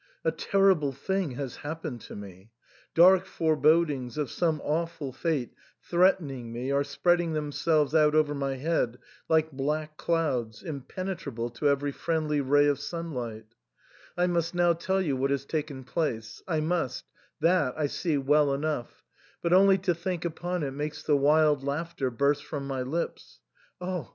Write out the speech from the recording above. A terrible thing has happened to me. Dark forebodings of some awful fate threatening me are spreading themselves out over my head like black clouds, impenetrable to every friendly ray of sunlight I must now tell you what has taken place ; I must, that I see well enough, but only to think upon it makes the wild laughter burst from my lips. Oh